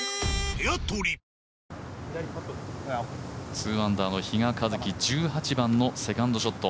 ２アンダーの比嘉一貴１８番のセカンドショット。